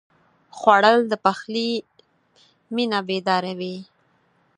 خوړل د پخلي مېنه بیداروي